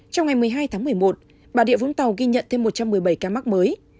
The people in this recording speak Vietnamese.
trong ngày một mươi hai tháng một mươi một bà địa vũng tàu ghi nhận thêm một trăm một mươi bảy ca mắc mới